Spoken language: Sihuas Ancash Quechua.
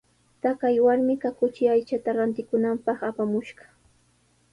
Taqay warmiqa kuchi aychata rantikunanpaq apamushqa.